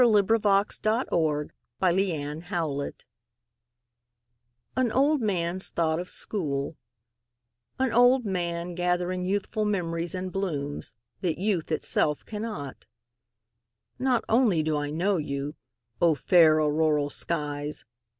An Old Man's Thought of School AN old man's thought of School; An old man, gathering youthful memories and blooms, that youth itself cannot. Now only do I know you!O fair auroral skies!